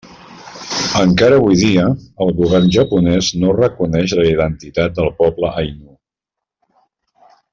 Encara avui dia, el Govern japonès no reconeix la identitat del poble ainu.